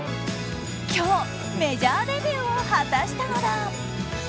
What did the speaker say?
今日メジャーデビューを果たしたのだ。